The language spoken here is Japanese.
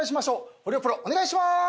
堀尾プロお願いします。